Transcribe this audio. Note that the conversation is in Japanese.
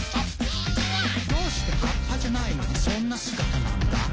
「どうして葉っぱじゃないのにそんな姿なんだ？」